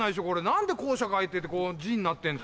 何で校舎描いてって字になってんですか！